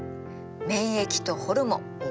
免疫とホルモン。